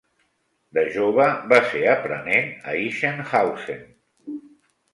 De jove, va ser aprenent a Ichenhausen.